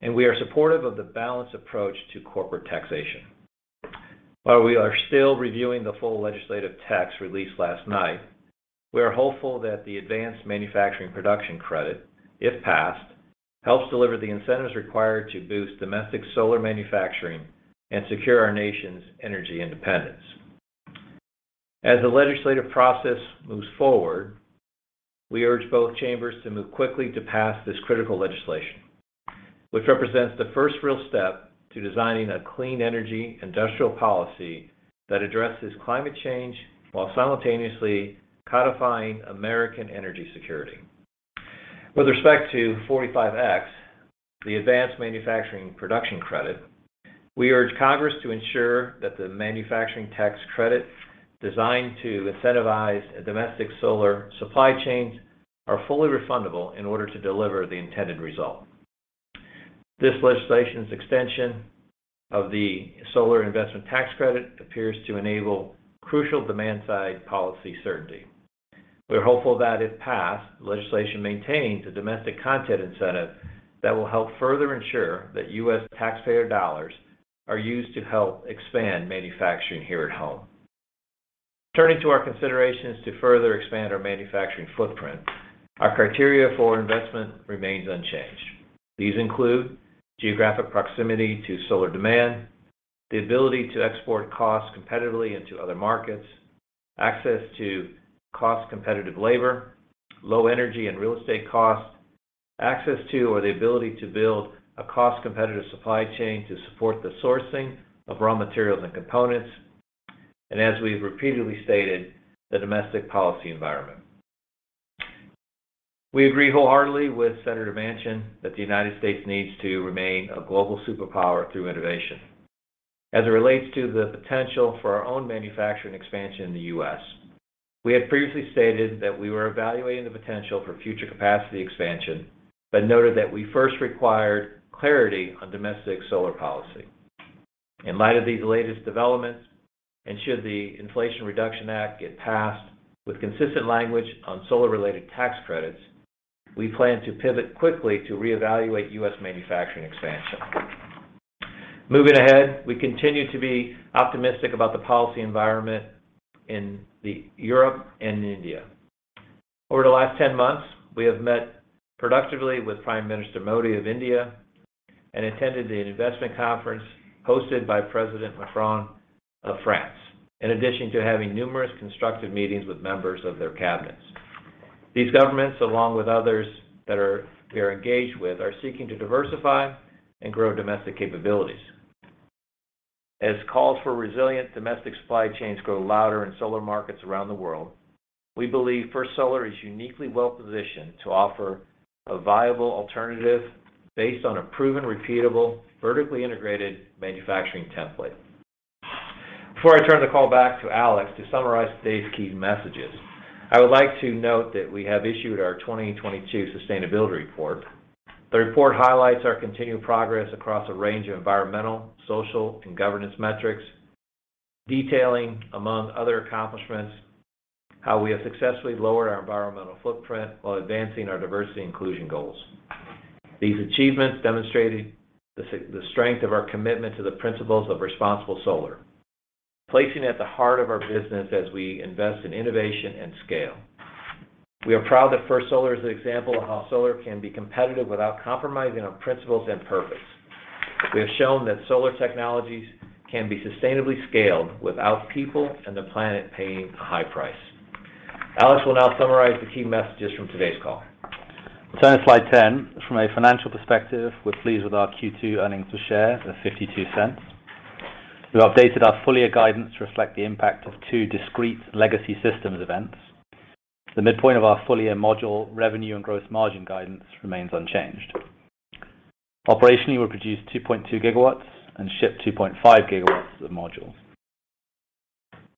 and we are supportive of the balanced approach to corporate taxation. While we are still reviewing the full legislative text released last night, we are hopeful that the Advanced Manufacturing Production Credit, if passed, helps deliver the incentives required to boost domestic solar manufacturing and secure our nation's energy independence. As the legislative process moves forward, we urge both chambers to move quickly to pass this critical legislation, which represents the first real step to designing a clean energy industrial policy that addresses climate change while simultaneously codifying American energy security. With respect to 45X, the Advanced Manufacturing Production Credit, we urge Congress to ensure that the manufacturing tax credit designed to incentivize domestic solar supply chains are fully refundable in order to deliver the intended result. This legislation's extension of the Solar Investment Tax Credit appears to enable crucial demand-side policy certainty. We're hopeful that if passed, legislation maintains a domestic content incentive that will help further ensure that U.S. taxpayer dollars are used to help expand manufacturing here at home. Turning to our considerations to further expand our manufacturing footprint, our criteria for investment remains unchanged. These include geographic proximity to solar demand, the ability to export costs competitively into other markets, access to cost competitive labor, low energy and real estate costs, access to or the ability to build a cost competitive supply chain to support the sourcing of raw materials and components, and as we've repeatedly stated, the domestic policy environment. We agree wholeheartedly with Senator Manchin that the United States needs to remain a global superpower through innovation. As it relates to the potential for our own manufacturing expansion in the U.S., we had previously stated that we were evaluating the potential for future capacity expansion, but noted that we first required clarity on domestic solar policy. In light of these latest developments, and should the Inflation Reduction Act get passed with consistent language on solar-related tax credits, we plan to pivot quickly to reevaluate U.S. manufacturing expansion. Moving ahead, we continue to be optimistic about the policy environment in Europe and India. Over the last 10 months, we have met productively with Prime Minister Modi of India and attended an investment conference hosted by President Macron of France, in addition to having numerous constructive meetings with members of their cabinets. These governments, along with others we are engaged with, are seeking to diversify and grow domestic capabilities. As calls for resilient domestic supply chains grow louder in solar markets around the world, we believe First Solar is uniquely well-positioned to offer a viable alternative based on a proven, repeatable, vertically integrated manufacturing template. Before I turn the call back to Alex to summarize today's key messages, I would like to note that we have issued our 2022 sustainability report. The report highlights our continued progress across a range of environmental, social, and governance metrics, detailing, among other accomplishments, how we have successfully lowered our environmental footprint while advancing our diversity inclusion goals. These achievements demonstrated the strength of our commitment to the principles of responsible solar, placing it at the heart of our business as we invest in innovation and scale. We are proud that First Solar is an example of how solar can be competitive without compromising on principles and purpose. We have shown that solar technologies can be sustainably scaled without people and the planet paying a high price. Alex will now summarize the key messages from today's call. Turning to slide 10. From a financial perspective, we're pleased with our Q2 earnings per share of $0.52. We updated our full year guidance to reflect the impact of two discrete legacy systems events. The midpoint of our full year module revenue and gross margin guidance remains unchanged. Operationally, we produced 2.2 GW and shipped 2.5 GW of modules.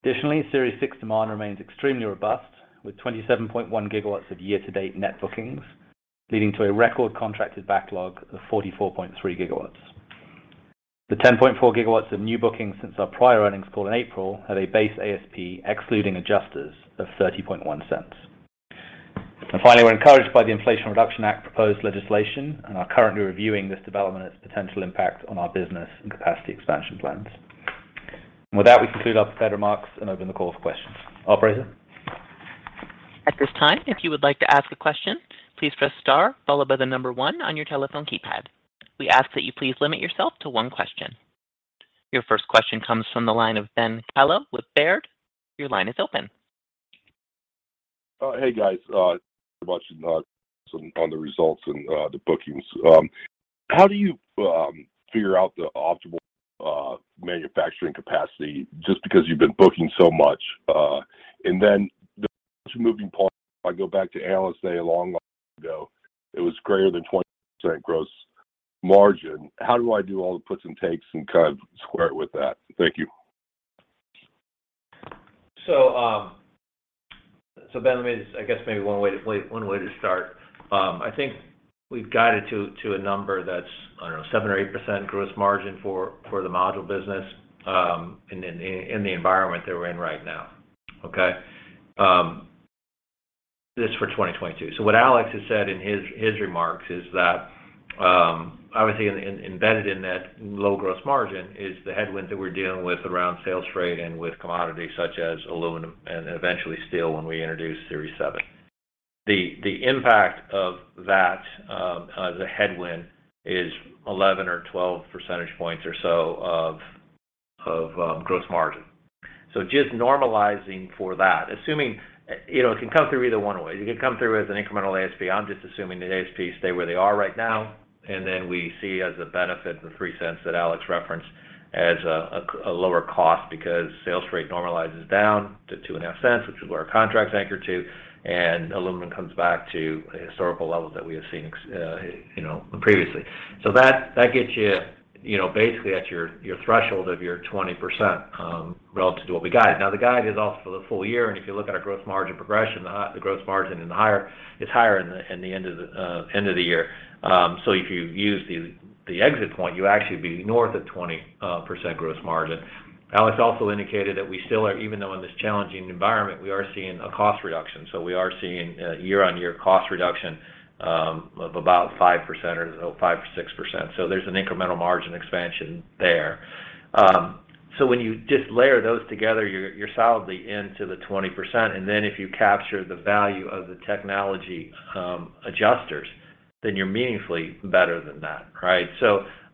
Additionally, Series 6 demand remains extremely robust, with 27.1 GW of year-to-date net bookings, leading to a record contracted backlog of 44.3 GW. The 10.4 GW of new bookings since our prior earnings call in April have a base ASP excluding adjusters of $0.301. Finally, we're encouraged by the Inflation Reduction Act proposed legislation, and are currently reviewing this development and its potential impact on our business and capacity expansion plans. With that, we conclude our prepared remarks and open the call for questions. Operator? At this time, if you would like to ask a question, please press star followed by the number one on your telephone keypad. We ask that you please limit yourself to one question. Your first question comes from the line of Ben Kallo with Baird. Your line is open. Hey guys, on the results and the bookings. How do you figure out the optimal manufacturing capacity, just because you've been booking so much, and then the two moving parts, if I go back to Analyst Day a long time ago, it was greater than 20% gross margin. How do I do all the puts and takes and kind of square it with that? Thank you. Ben, maybe one way to start, I think we've guided to a number that's, I don't know, 7% or 8% gross margin for the module business in the environment that we're in right now. Okay. This is for 2022. What Alex has said in his remarks is that, obviously embedded in that low gross margin is the headwind that we're dealing with around sales tax and with commodities such as aluminum and eventually steel when we introduce Series 7. The impact of that, the headwind is 11 or 12 percentage points or so of gross margin. Just normalizing for that, assuming it can come through either one way. It can come through as an incremental ASP. I'm just assuming the ASP stay where they are right now, and then we see as a benefit the $0.30 That Alex referenced as a lower cost because sales rate normalizes down to $0.025, which is where our contract's anchored to, and aluminum comes back to historical levels that we have seen as you know previously. That gets you you know basically at your threshold of your 20%, relative to what we guided. Now, the guide is also for the full year, and if you look at our gross margin progression, the higher gross margin is higher in the end of the year. If you use the exit point, you actually would be north of 20% gross margin. Alex also indicated that we still are even though in this challenging environment, we are seeing a cost reduction, so we are seeing a year-on-year cost reduction of about 5% or so, 5%-6%. There's an incremental margin expansion there. When you just layer those together, you're solidly into the 20%, and then if you capture the value of the technology advantages, then you're meaningfully better than that, right?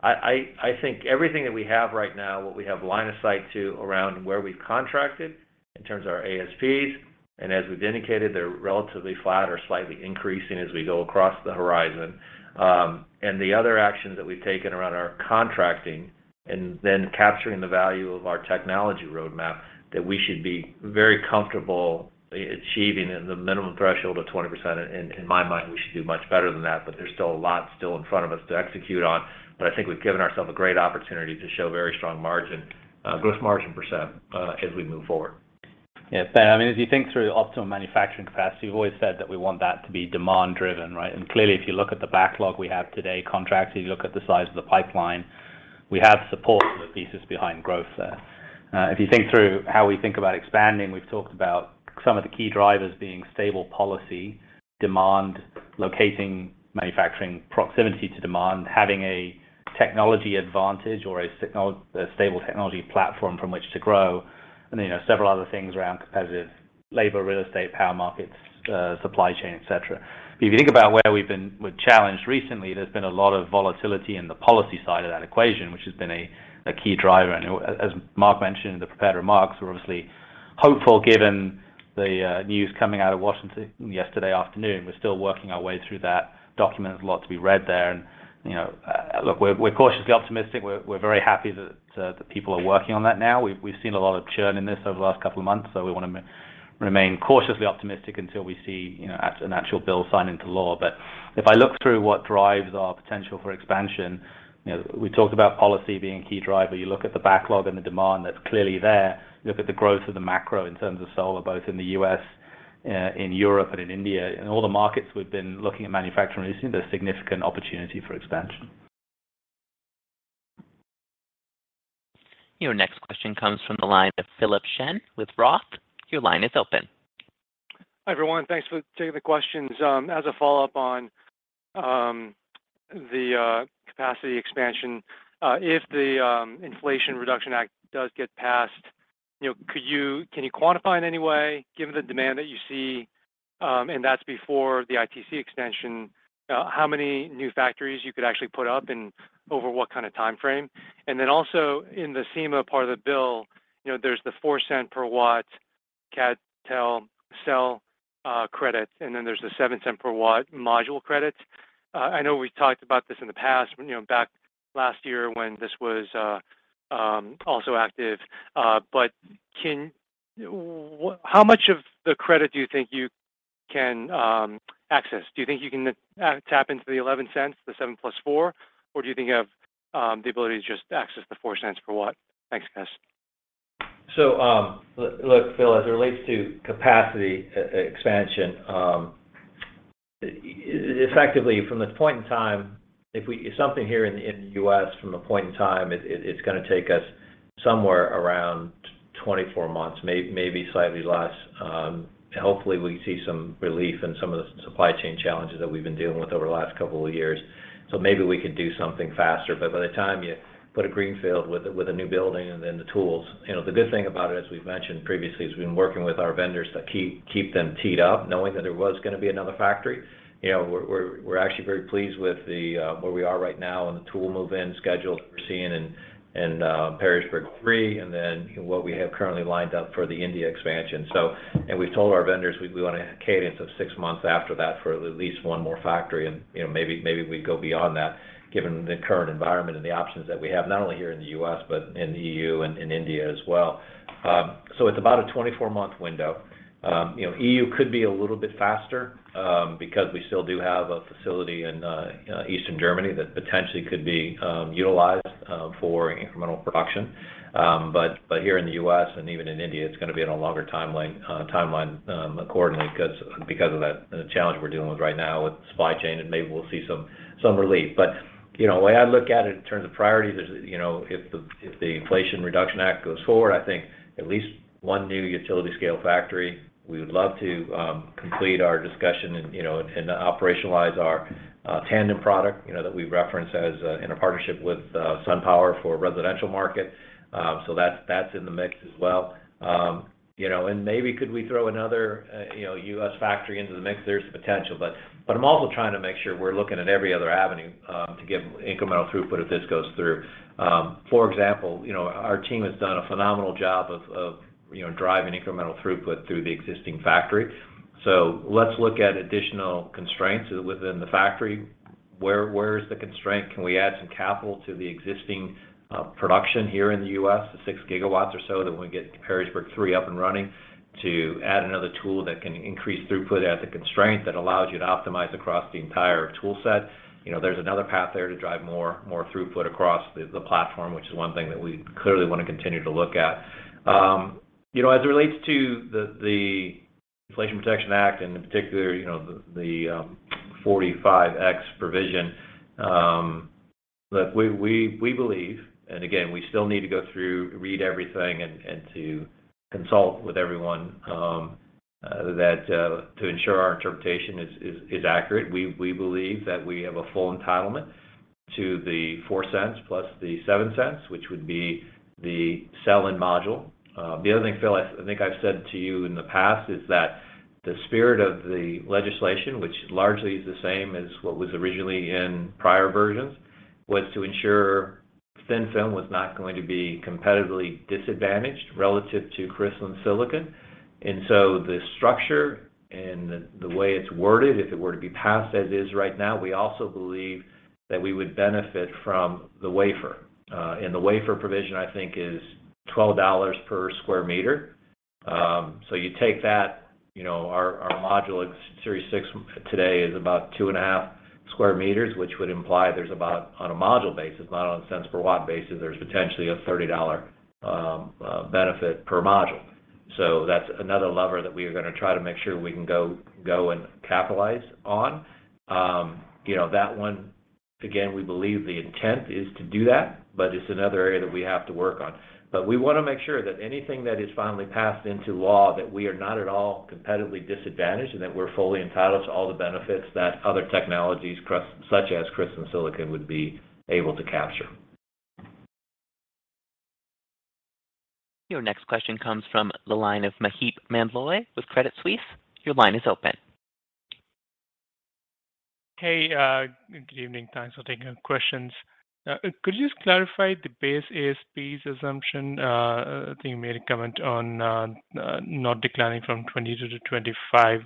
I think everything that we have right now, what we have line of sight to around where we've contracted in terms of our ASPs, and as we've indicated, they're relatively flat or slightly increasing as we go across the horizon. The other actions that we've taken around our contracting and then capturing the value of our technology roadmap, that we should be very comfortable achieving the minimum threshold of 20%. In my mind, we should do much better than that, but there's still a lot in front of us to execute on. I think we've given ourselves a great opportunity to show very strong margin, gross margin percent, as we move forward. Yeah. Ben, I mean, as you think through the optimum manufacturing capacity, we've always said that we want that to be demand driven, right? Clearly, if you look at the backlog we have today contracted, you look at the size of the pipeline, we have support for the thesis behind growth there. If you think through how we think about expanding, we've talked about some of the key drivers being stable policy, demand, locating manufacturing proximity to demand, having a technology advantage or a stable technology platform from which to grow, and, you know, several other things around competitive labor, real estate, power markets, supply chain, et cetera. If you think about where we've been with challenge recently, there's been a lot of volatility in the policy side of that equation, which has been a key driver. As Mark mentioned in the prepared remarks, we're obviously hopeful given the news coming out of Washington yesterday afternoon. We're still working our way through that document. There's a lot to be read there. We're cautiously optimistic. We're very happy that people are working on that now. We've seen a lot of churn in this over the last couple of months, so we wanna remain cautiously optimistic until we see an actual bill signed into law. If I look through what drives our potential for expansion, we talked about policy being a key driver. You look at the backlog and the demand that's clearly there. You look at the growth of the macro in terms of solar, both in the U.S. In Europe and in India, in all the markets we've been looking at manufacturing recently, there's significant opportunity for expansion. Your next question comes from the line of Philip Shen with Roth. Your line is open. Hi, everyone. Thanks for taking the questions. As a follow-up on the capacity expansion, if the Inflation Reduction Act does get passed, you know, can you quantify in any way, given the demand that you see, and that's before the ITC extension, how many new factories you could actually put up and over what kind of timeframe? Then also in the SEMA part of the bill, you know, there's the $0.04 per watt CdTe cell credit, and then there's the $0.07 per watt module credit. I know we talked about this in the past when, you know, back last year when this was also active. How much of the credit do you think you can access? Do you think you can tap into the $0.11, the $0.07 plus $0.04, or do you think you have the ability to just access the $0.04 per watt? Thanks, guys. Look, Philip, as it relates to capacity expansion, effectively from this point in time, if something here in the U.S. from a point in time, it's gonna take us somewhere around 24 months, maybe slightly less. Hopefully we see some relief in some of the supply chain challenges that we've been dealing with over the last couple of years, so maybe we could do something faster. But by the time you put a greenfield with a new building and then the tools, you know, the good thing about it, as we've mentioned previously, is we've been working with our vendors to keep them teed up knowing that there was gonna be another factory. You know, we're actually very pleased with where we are right now and the tool move-in schedules we're seeing in Perrysburg 3, and then what we have currently lined up for the India expansion. We've told our vendors we want a cadence of six months after that for at least one more factory and, you know, maybe we go beyond that given the current environment and the options that we have, not only here in the U.S., but in EU and in India as well. It's about a 24-month window. You know, EU could be a little bit faster, because we still do have a facility in eastern Germany that potentially could be utilized for incremental production. Here in the U.S. and even in India, it's gonna be on a longer timeline accordingly because of that challenge we're dealing with right now with supply chain, and maybe we'll see some relief. You know, the way I look at it in terms of priorities is, you know, if the Inflation Reduction Act goes forward, I think at least one new utility-scale factory. We would love to complete our discussion and operationalize our tandem product, you know, that we've referenced in a partnership with SunPower for residential market. That's in the mix as well. You know, maybe could we throw another U.S. factory into the mix? There's the potential. I'm also trying to make sure we're looking at every other avenue to get incremental throughput if this goes through. For example, you know, our team has done a phenomenal job of you know, driving incremental throughput through the existing factory. Let's look at additional constraints within the factory. Where is the constraint? Can we add some capital to the existing production here in the U.S., the 6 GW or so that we get the Perrysburg 3 up and running to add another tool that can increase throughput at the constraint that allows you to optimize across the entire tool set? You know, there's another path there to drive more throughput across the platform, which is one thing that we clearly wanna continue to look at. You know, as it relates to the Inflation Reduction Act and in particular, you know, the 45X provision, look, we believe, and again, we still need to go through, read everything, and to consult with everyone to ensure our interpretation is accurate. We believe that we have a full entitlement to the $0.04 plus the $0.07, which would be the cell and module. The other thing, Phil, I think I've said to you in the past is that the spirit of the legislation, which largely is the same as what was originally in prior versions, was to ensure thin-film was not going to be competitively disadvantaged relative to crystalline silicon. The structure and the way it's worded, if it were to be passed as is right now, we also believe that we would benefit from the wafer. The wafer provision, I think is $12 per square meter. You take that, you know, our Series 6 module today is about 2.5 square meters, which would imply there's about on a module basis, not on cents per watt basis, there's potentially a $30 benefit per module. That's another lever that we are gonna try to make sure we can go and capitalize on. You know, that one again, we believe the intent is to do that, but it's another area that we have to work on. We wanna make sure that anything that is finally passed into law, that we are not at all competitively disadvantaged and that we're fully entitled to all the benefits that other technologies such as crystalline silicon would be able to capture. Your next question comes from the line of Maheep Mandloi with Credit Suisse. Your line is open. Hey, good evening. Thanks for taking the questions. Could you just clarify the base ASPs assumption? I think you made a comment on not declining from 2022 to 2025.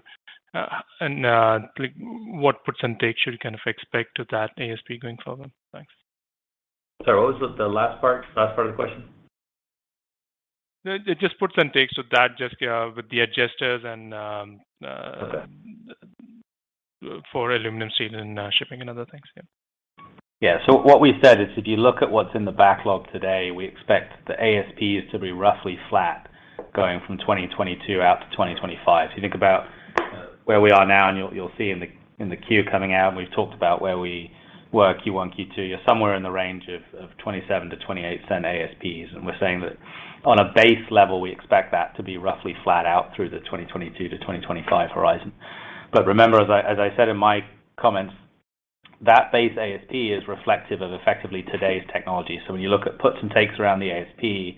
Like what puts and takes should we kind of expect to that ASP going forward? Thanks. Sorry, what was the last part of the question? No, just puts and takes with that, just with the adjusters, and- Okay -for aluminum, steel, and, shipping and other things, yeah. Yeah. What we said is if you look at what's in the backlog today, we expect the ASPs to be roughly flat going from 2022 out to 2025. If you think about where we are now, and you'll see in the Q coming out, and we've talked about where we were Q1, Q2, you're somewhere in the range of $0.27 to $0.28 ASPs. We're saying that on a base level, we expect that to be roughly flat out through the 2022 to 2025 horizon. Remember, as I said in my comments, that base ASP is reflective of effectively today's technology. When you look at puts and takes around the ASP,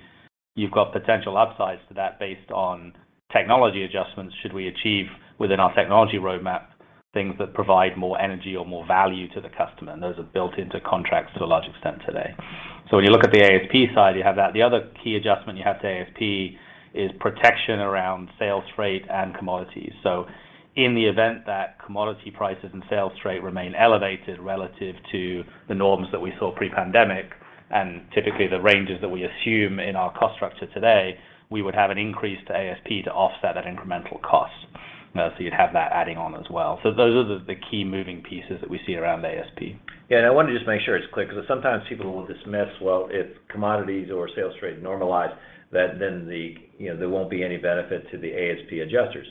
you've got potential upsides to that based on technology adjustments should we achieve within our technology roadmap, things that provide more energy or more value to the customer, and those are built into contracts to a large extent today. When you look at the ASP side, you have that. The other key adjustment you have to ASP is protection around sales rate and commodities. In the event that commodity prices and sales rate remain elevated relative to the norms that we saw pre-pandemic, and typically the ranges that we assume in our cost structure today, we would have an increase to ASP to offset that incremental cost. You'd have that adding on as well. Those are the key moving pieces that we see around ASP. Yeah. I want to just make sure it's clear, because sometimes people will dismiss, well, if commodities or sales rate normalize that then the, you know, there won't be any benefit to the ASP adjusters.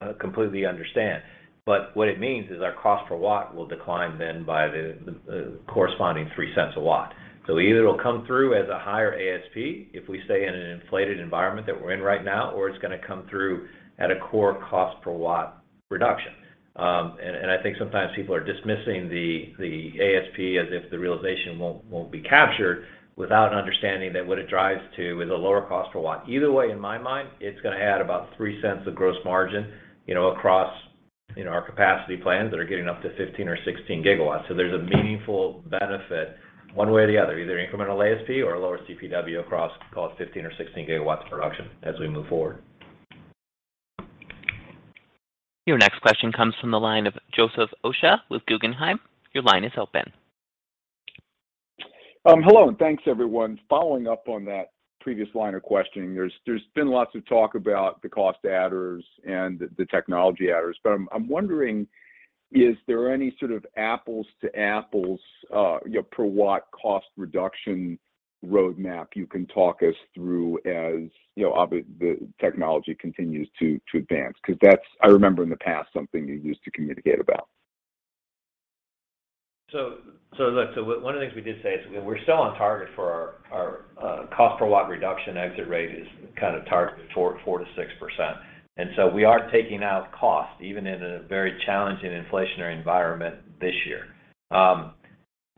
I completely understand. What it means is our cost per watt will decline then by the corresponding $0.03 a watt. Either it'll come through as a higher ASP if we stay in an inflated environment that we're in right now, or it's gonna come through at a core cost per watt reduction. I think sometimes people are dismissing the ASP as if the realization won't be captured without understanding that what it drives to is a lower cost per watt. Either way, in my mind, it's gonna add about $0.03 of gross margin, you know, across, you know, our capacity plans that are getting up to 15 or 16 GW. There's a meaningful benefit one way or the other, either incremental ASP or a lower CPW across call it 15 or 16 GW of production as we move forward. Your next question comes from the line of Joseph Osha with Guggenheim. Your line is open. Hello, and thanks, everyone. Following up on that previous line of questioning, there's been lots of talk about the cost adders and the technology adders, but I'm wondering, is there any sort of apples to apples, you know, per watt cost reduction roadmap you can talk us through as, you know, the technology continues to advance? Because that's, I remember in the past, something you used to communicate about. One of the things we did say is we're still on target for our cost per watt reduction exit rate is kind of targeted 4%-6%. We are taking out cost even in a very challenging inflationary environment this year.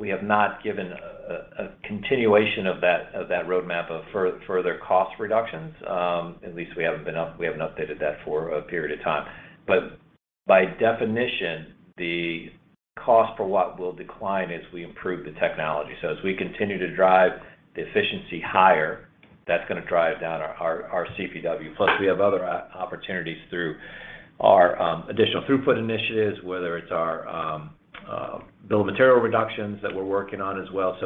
We have not given a continuation of that roadmap of further cost reductions, at least we haven't updated that for a period of time. By definition, the cost per watt will decline as we improve the technology. As we continue to drive the efficiency higher, that's gonna drive down our CPW. Plus, we have other opportunities through our additional throughput initiatives, whether it's our bill of material reductions that we're working on as well.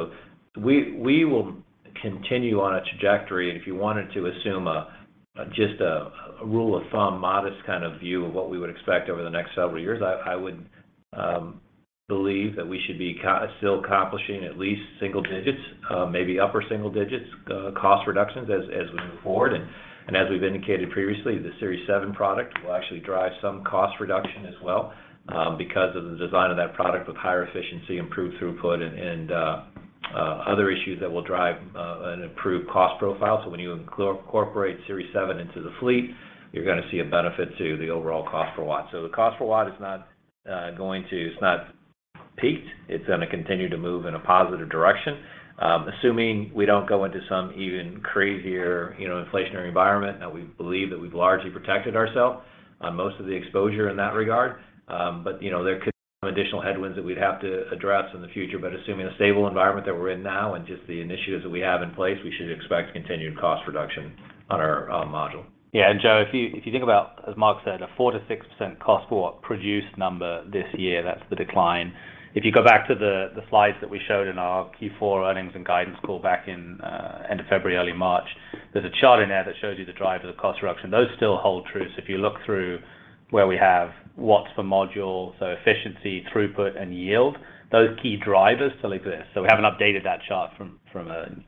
We will continue on a trajectory. If you wanted to assume a rule of thumb, modest kind of view of what we would expect over the next several years, I would believe that we should be still accomplishing at least single digits, maybe upper single digits, cost reductions as we move forward. As we've indicated previously, the Series 7 product will actually drive some cost reduction as well, because of the design of that product with higher efficiency, improved throughput, and other issues that will drive an improved cost profile. When you incorporate Series 7 into the fleet, you're gonna see a benefit to the overall cost per watt. The cost per watt is not peaked. It's gonna continue to move in a positive direction, assuming we don't go into some even crazier, you know, inflationary environment. Now, we believe that we've largely protected ourselves on most of the exposure in that regard. You know, there could be some additional headwinds that we'd have to address in the future. Assuming a stable environment that we're in now and just the initiatives that we have in place, we should expect continued cost reduction on our module. Yeah. Joe, if you think about, as Mark said, a 4%-6% cost per watt produced number this year, that's the decline. If you go back to the slides that we showed in our Q4 earnings and guidance call back in end of February, early March, there's a chart in there that shows you the drivers of cost reduction. Those still hold true. If you look through where we have watts per module, so efficiency, throughput, and yield, those key drivers still exist. We haven't updated that chart from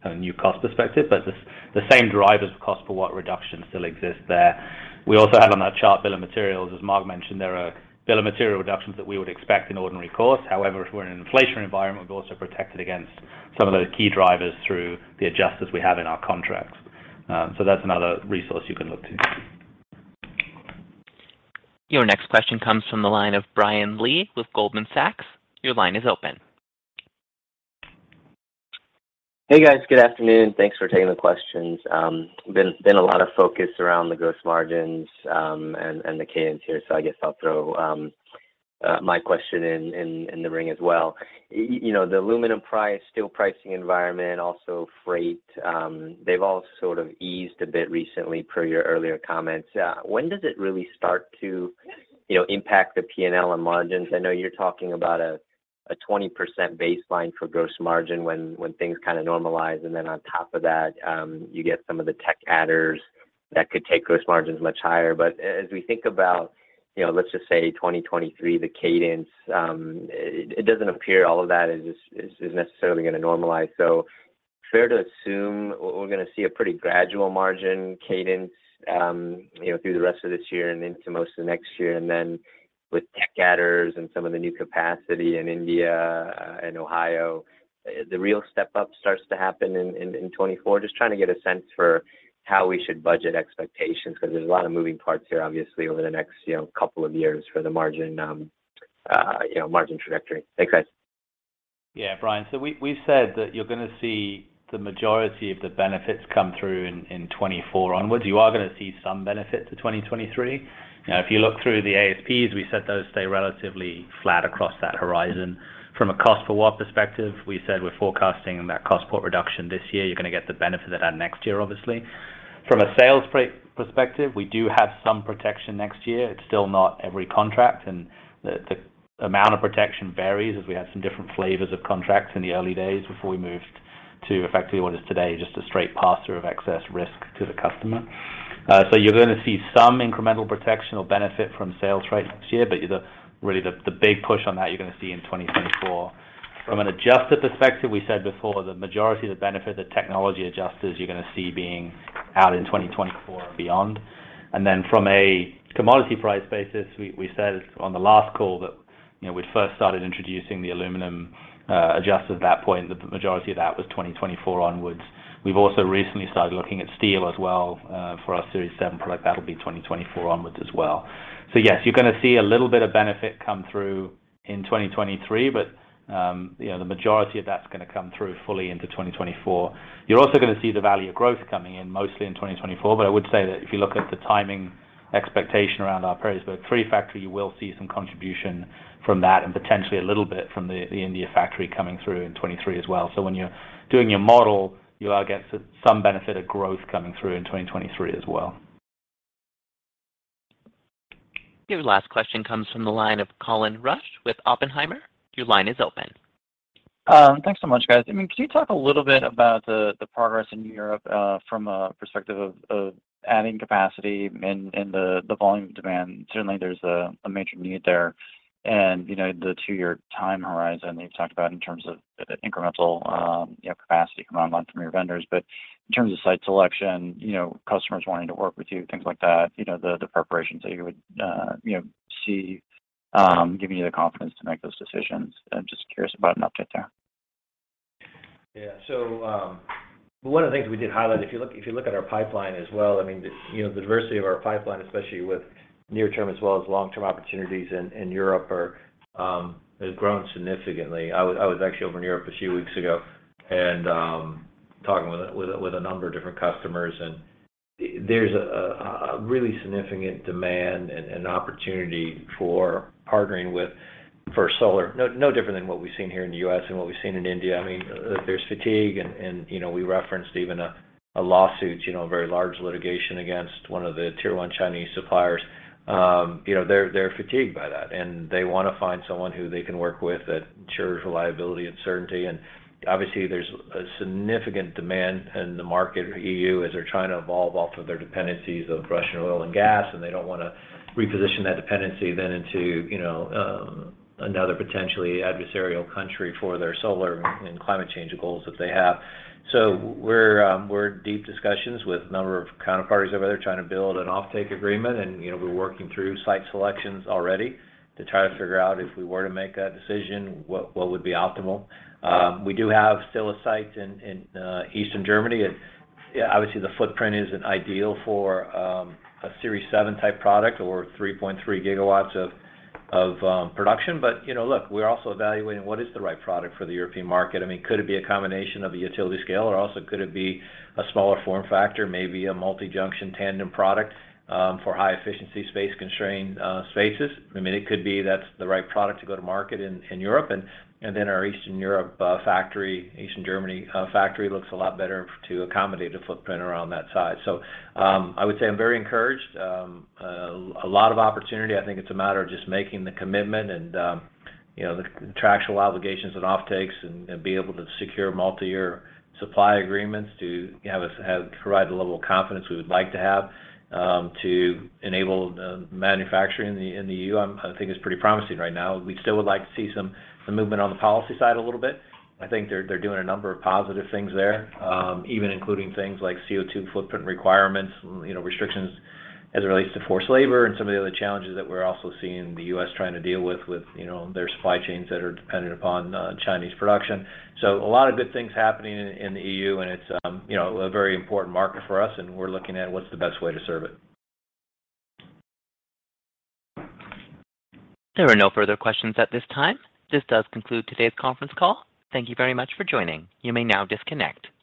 a new cost perspective, but the same drivers of cost per watt reduction still exist there. We also have on that chart bill of materials. As Mark mentioned, there are bill of material reductions that we would expect in ordinary course. However, if we're in an inflationary environment, we're also protected against some of those key drivers through the adjusters we have in our contracts. That's another resource you can look to. Your next question comes from the line of Brian Lee with Goldman Sachs. Your line is open. Hey, guys. Good afternoon. Thanks for taking the questions. Been a lot of focus around the gross margins and the comps here, so I guess I'll throw my question in the ring as well. You know, the aluminum price, steel pricing environment, also freight, they've all sort of eased a bit recently per your earlier comments. When does it really start to, you know, impact the P&L and margins? I know you're talking about a 20% baseline for gross margin when things kinda normalize, and then on top of that, you get some of the tech adders. That could take gross margins much higher. As we think about, you know, let's just say 2023, the cadence, it doesn't appear all of that is just necessarily gonna normalize. Fair to assume we're gonna see a pretty gradual margin cadence, you know, through the rest of this year and into most of next year. Then with tech adders and some of the new capacity in India and Ohio, the real step-up starts to happen in 2024. Just trying to get a sense for how we should budget expectations 'cause there's a lot of moving parts here, obviously, over the next, you know, couple of years for the margin, you know, margin trajectory. Thanks, guys. Yeah, Brian, we said that you're gonna see the majority of the benefits come through in 2024 onwards. You're gonna see some benefit to 2023. Now if you look through the ASPs, we said those stay relatively flat across that horizon. From a cost per watt perspective, we said we're forecasting that cost per watt reduction this year. You're gonna get the benefit of that next year obviously. From a sales per watt perspective, we do have some protection next year. It's still not every contract, and the amount of protection varies as we have some different flavors of contracts in the early days before we moved to effectively what is today just a straight pass-through of excess risk to the customer. You're gonna see some incremental protection or benefit from sales rate next year, but really the big push on that you're gonna see in 2024. From an adjusted perspective, we said before the majority of the benefit, the technology adjusters you're gonna see being out in 2024 and beyond. Then from a commodity price basis, we said on the last call that, you know, we first started introducing the aluminum adjust at that point. The majority of that was 2024 onwards. We've also recently started looking at steel as well for our Series 7 product. That'll be 2024 onwards as well. Yes, you're gonna see a little bit of benefit come through in 2023, but you know, the majority of that's gonna come through fully into 2024. You're also gonna see the value of growth coming in mostly in 2024. I would say that if you look at the timing expectation around our Perrysburg 3 factory, you will see some contribution from that and potentially a little bit from the India factory coming through in 2023 as well. When you're doing your model, you are getting some benefit of growth coming through in 2023 as well. Your last question comes from the line of Colin Rusch with Oppenheimer. Your line is open. Thanks so much, guys. I mean, can you talk a little bit about the progress in Europe from a perspective of adding capacity and the volume demand? Certainly, there's a major need there and, you know, the two-year time horizon that you've talked about in terms of the incremental capacity coming online from your vendors. But in terms of site selection, you know, customers wanting to work with you, things like that, you know, the preparations that you would see giving you the confidence to make those decisions. I'm just curious about an update there. Yeah. One of the things we did highlight, if you look at our pipeline as well, I mean, you know, the diversity of our pipeline, especially with near term as well as long-term opportunities in Europe has grown significantly. I was actually over in Europe a few weeks ago and talking with a number of different customers, and there's a really significant demand and opportunity for partnering with First Solar. No different than what we've seen here in the U.S. and what we've seen in India. I mean, there's fatigue and you know, we referenced even a lawsuit, you know, a very large litigation against one of the tier one Chinese suppliers. You know, they're fatigued by that, and they wanna find someone who they can work with that ensures reliability and certainty. Obviously there's a significant demand in the EU market as they're trying to evolve off of their dependencies of Russian oil and gas, and they don't wanna reposition that dependency then into, you know, another potentially adversarial country for their solar and climate change goals that they have. We're in deep discussions with a number of counterparties over there trying to build an offtake agreement and, you know, we're working through site selections already to try to figure out if we were to make that decision, what would be optimal. We do have still a site in Eastern Germany. Obviously, the footprint isn't ideal for a Series 7 type product or 3.3 GW of production. You know, look, we're also evaluating what is the right product for the European market. I mean, could it be a combination of a utility scale or also could it be a smaller form factor, maybe a multi-junction tandem product, for high efficiency space constrained spaces? I mean, it could be that's the right product to go to market in Europe. Then our Eastern Europe factory, Eastern Germany factory looks a lot better to accommodate a footprint around that size. I would say I'm very encouraged. A lot of opportunity. I think it's a matter of just making the commitment and, you know, the contractual obligations and offtakes and be able to secure multi-year supply agreements to provide the level of confidence we would like to have, to enable the manufacturing in the E.U. I think is pretty promising right now. We still would like to see some movement on the policy side a little bit. I think they're doing a number of positive things there, even including things like CO2 footprint requirements, you know, restrictions as it relates to forced labor and some of the other challenges that we're also seeing the U.S. trying to deal with, you know, their supply chains that are dependent upon Chinese production. A lot of good things happening in the EU, and it's, you know, a very important market for us, and we're looking at what's the best way to serve it. There are no further questions at this time. This does conclude today's conference call. Thank you very much for joining. You may now disconnect.